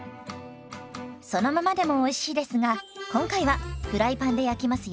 そのままでもおいしいですが今回はフライパンで焼きますよ。